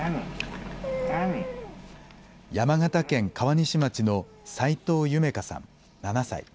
山形県川西町の齋藤ゆめ佳さん７歳。